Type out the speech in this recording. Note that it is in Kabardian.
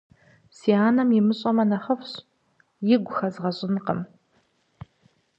Си анэми имыщӀэмэ нэхъыфӀщ, игу хэзгъэщӀынкъым.